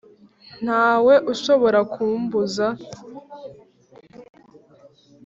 ntawe ushobora kumbuza.